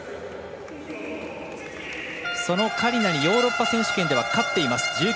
そのカリナにヨーロッパ選手権では勝っています